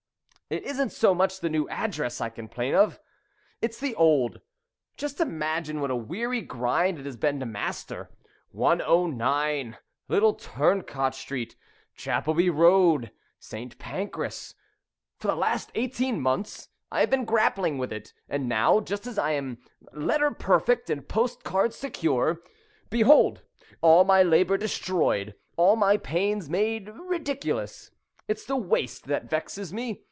"It isn't so much the new address I complain of, it's the old. Just imagine what a weary grind it has been to master '109, Little Turncot Street, Chapelby Road, St. Pancras.' For the last eighteen months I have been grappling with it, and now, just as I am letter perfect and postcard secure, behold all my labour destroyed, all my pains made ridiculous. It's the waste that vexes me.